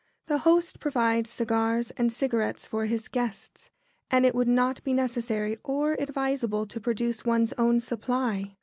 ] The host provides cigars and cigarettes for his guests, and it would not be necessary or advisable to produce one's own supply.